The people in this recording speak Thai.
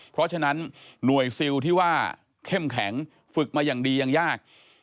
เพราะฉะนั้นหน่วยซิลที่ว่าเข้มแข็งฝึกมาอย่างดียังยาก